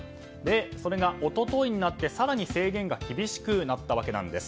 それが一昨日になって更に制限が厳しくなったんです。